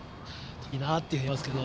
いいなっていうふうに思いますけど。